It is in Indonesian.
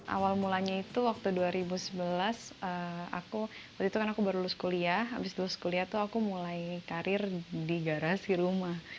awal mulanya itu waktu dua ribu sebelas waktu itu kan aku baru lulus kuliah habis lulus kuliah tuh aku mulai karir di garasi rumah